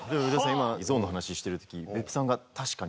今ゾーンの話してる時。